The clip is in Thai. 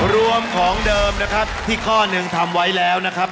รวมของเดิมนะครับที่ข้อหนึ่งทำไว้แล้วนะครับ